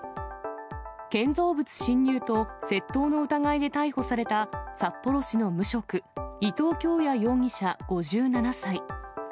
建造物侵入と窃盗の疑いで逮捕された、札幌市の無職、伊藤京弥容疑者５７歳。